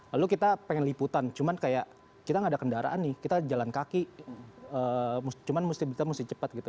lalu kita pengen liputan cuman kayak kita nggak ada kendaraan nih kita jalan kaki cuman mesti cepat gitu